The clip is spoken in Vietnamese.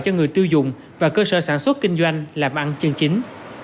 cho người tiêu dùng và cơ sở sản xuất kinh doanh làm ăn chân chính